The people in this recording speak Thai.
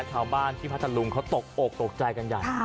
ชาวบ้านที่พัทธรุงเขาตกอกตกใจกันใหญ่